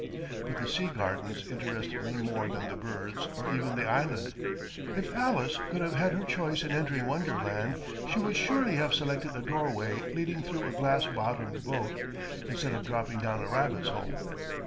But the sea gardens interested me more than the birds or even the island. If Alice could have had her choice in entering Wonderland, she would surely have selected a doorway leading through a glass bottomed boat, instead of dropping down a rabbit's hole.